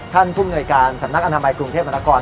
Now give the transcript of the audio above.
ท่านคุมหน่วยการสนักอนามัยกรุงเทพมนาคอล